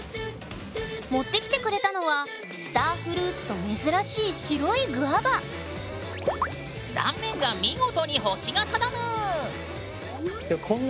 持ってきてくれたのはスターフルーツと珍しい白いグアバ断面が見事に星型だぬん。